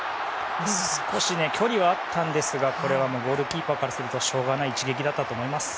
少し距離はあったんですがゴールキーパーからするとしょうがない一撃だったと思います。